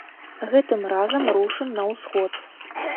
Гэтым разам рушым на ўсход.